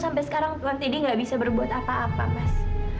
sampai sekarang tuan tidi nggak bisa berbuat apa apa mas